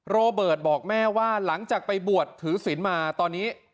โรเบิร์ตบอกแม่ว่าหลังจากไปบวชถือศิลป์มาตอนนี้